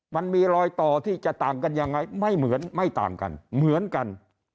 มันมีรอยต่อที่จะต่างกันยังไงไม่เหมือนไม่ต่างกันเหมือนกัน